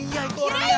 iya itu orangnya